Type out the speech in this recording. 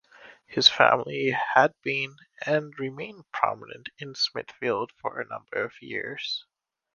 His family had been and remained prominent in Smithfield for a number of years.